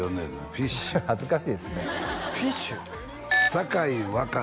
フィッシュ恥ずかしいですね